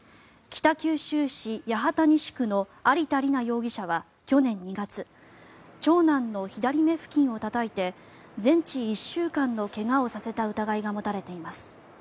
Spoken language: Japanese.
北九州市八幡西区の有田里奈容疑者は去年２月長男の左目付近をたたいて全治１週間の怪我をさせた疑いが持たれています。